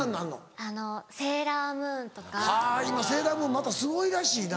今『セーラームーン』またすごいらしいな。